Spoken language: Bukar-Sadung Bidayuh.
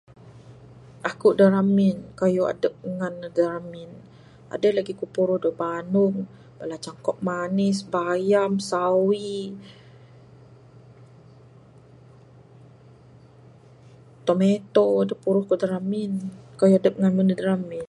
Aku'k da ramin kayuh adup ngan da ramin, aduh lagi ku puruh daun bandung, bala cangkok manis, bayam, sawi, tometo da puruh kuk da ramin. Kayuh adup ngan mende da ramin.